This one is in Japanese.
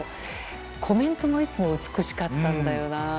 コメントがいつも美しかったんだよな。